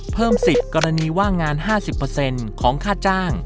เพิ่มสิทธิ์กรณีว่างงาน๕๐ของค่าจ้าง